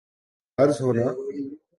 عرض ہونا